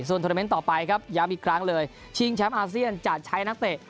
ส่วนโทรเมนต์ต่อไปครับย้ำอีกครั้งเลยชิงแชมป์อาเซียนจะใช้นักเตะ